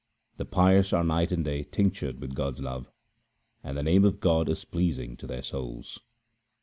The pious are night and day tinctured with God's love, and the name of God is pleasing to their souls.